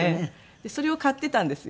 それを買っていたんですよ。